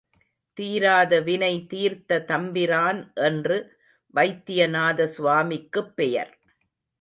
தீராத வினை தீர்த்த தம்பிரான் என்று வைத்தியநாத சுவாமிக்குப் பெயர்.